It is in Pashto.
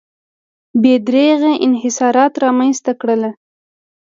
بې دریغه انحصارات رامنځته کړل.